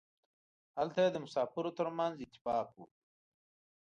هلته یې د مسافرو ترمنځ اتفاق و.